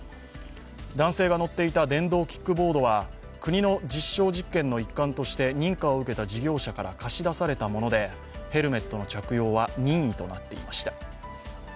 男性が乗っていた電動キックボードは、国の実証実験の一環として認可を受けた事業者から貸し出されたものでヘルメットの着用は任意となっていました。